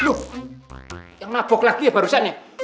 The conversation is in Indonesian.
loh yang nabok lagi ya barusan ya